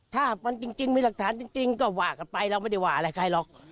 ถ้ามันจริงมีหลักฐานจริงก็ว่ากันไปเราไม่ได้ว่าอะไรใครหรอก